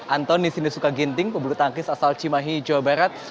antoni sinusuka ginting pembuluh tangkis asal cimahi jawa barat